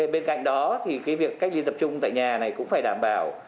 bên cạnh đó thì việc cách ly tập trung tại nhà này cũng phải đảm bảo